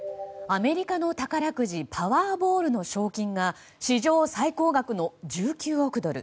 アメリカの宝くじパワーボールの賞金が史上最高額の１９億ドル。